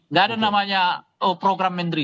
nggak ada namanya program menteri